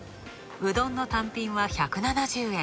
うどんの単品は１７０円。